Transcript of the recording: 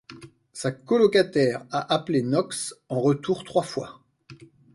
Sa colocataire a appelé Knox en retour trois fois.